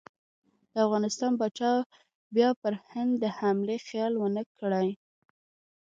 د افغانستان پاچا بیا پر هند د حملې خیال ونه کړي.